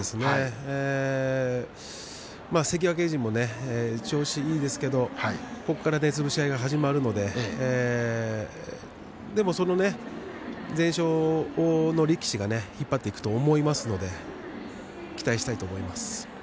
関脇陣も調子いいですけれどここから潰し合いが始まるのででも、そのね全勝力士が引っ張っていくと思いますので期待したいと思います。